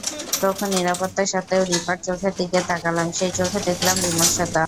প্রখর নিরাপত্তা সত্ত্বেও রিপার চোখের দিকে তাকালাম সেই চোখে দেখলাম বিমর্ষতা।